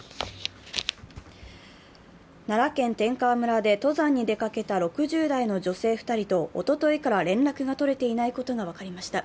奈良県天川村で登山に出かけた６０代の女性２人とおとといから連絡が取れていないことが分かりました。